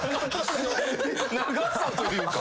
長さというか。